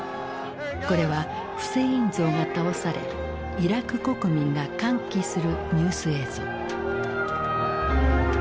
これはフセイン像が倒されイラク国民が歓喜するニュース映像。